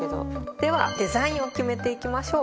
ではデザインを決めていきましょう。